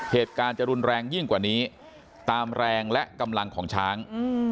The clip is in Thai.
เหตุการณ์จะรุนแรงยิ่งกว่านี้ตามแรงและกำลังของช้าง